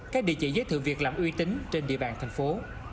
các địa chỉ giới thiệu việc làm uy tín trên địa bàn thành phố